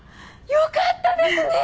よかったですね！